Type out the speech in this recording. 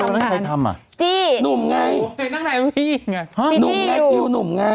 แล้วนั่งใครทำจี้หนุ่มไงเด็กนั่งในพี่ไงหนุ่มไงคิวหนุ่มไง